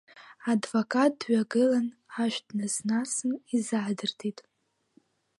Адвокат дҩагылан, ашә днас-насын, изаадыртит.